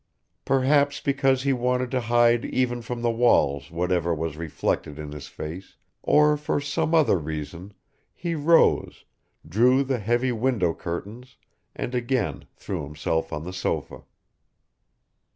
Perhaps because he wanted to hide even from the walls whatever was reflected in his face, or for some other reason, he rose, drew the heavy window curtains and again threw himself on the sofa.